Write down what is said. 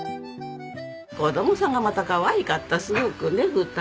子供さんがまたかわいかったすごくね２人がね。